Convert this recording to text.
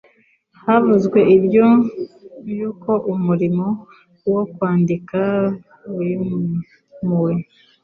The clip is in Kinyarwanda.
Havuzwe iby'uko umurimo wo kwandika wimuwe